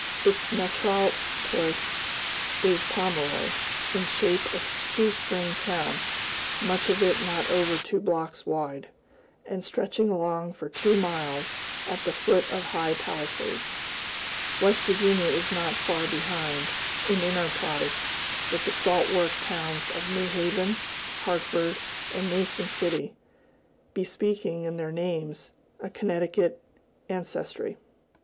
Its metropolis is Pomeroy, in shape a "shoe string" town, much of it not over two blocks wide, and stretching along for two miles, at the foot of high palisades. West Virginia is not far behind, in enterprise, with the salt work towns of New Haven, Hartford, and Mason City, bespeaking, in their names, a Connecticut ancestry.